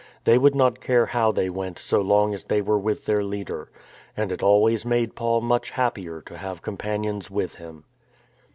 They would not care how they went so long as they were with their leader. And it always made Paul much happier to have companions with him.